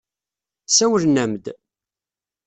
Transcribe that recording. Sawlen-am-d.